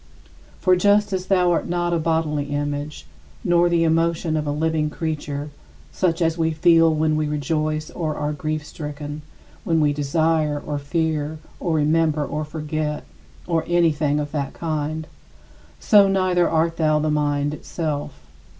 For just as thou art not a bodily image, nor the emotion of a living creature (such as we feel when we rejoice or are grief stricken, when we desire, or fear, or remember, or forget, or anything of that kind), so neither art thou the mind itself.